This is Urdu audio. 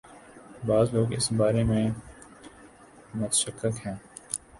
بعض لوگ اس بارے میں متشکک ہیں۔